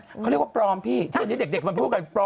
เขาเรียกว่าปลอมพี่ที่เด็กมันพูดกัน